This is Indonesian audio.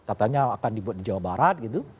katanya akan dibuat di jawa barat gitu